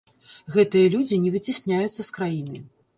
Гэтыя людзі не выцясняюцца з краіны.